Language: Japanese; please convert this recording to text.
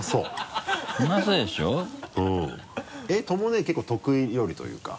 えっとも姉結構得意料理というか。